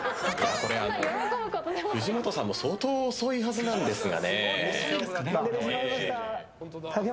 藤本さんも相当遅いはずなんですが。